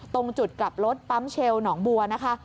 ตรงจุดกลับรถปั๊มเชลหนองบัวนะคะ